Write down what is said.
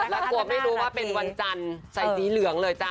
แล้วกลัวไม่รู้ว่าเป็นวันจันทร์ใส่สีเหลืองเลยจ้ะ